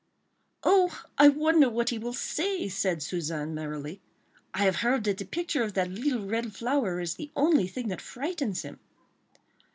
"Oh! I wonder what he will say!" said Suzanne, merrily. "I have heard that the picture of that little red flower is the only thing that frightens him."